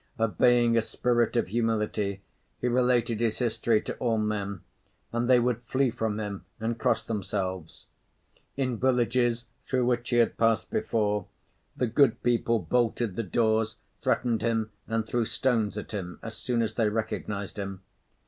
Obeying a spirit of humility, he related his history to all men, and they would flee from him and cross themselves. In villages through which he had passed before, the good people bolted the doors, threatened him, and threw stones at him as soon as they recognised him.